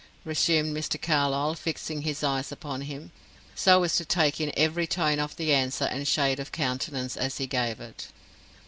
resumed Mr. Carlyle, fixing his eyes upon him, so as to take in every tone of the answer and shade of countenance as he gave it.